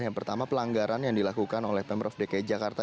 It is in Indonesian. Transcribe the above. yang pertama pelanggaran yang dilakukan oleh pemprov dki jakarta